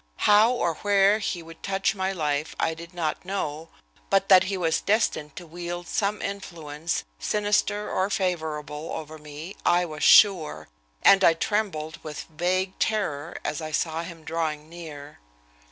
How or where he would touch my life I did not know, but that he was destined to wield some influence, sinister or favorable, over me, I was sure, and I trembled with vague terror as I saw him drawing near.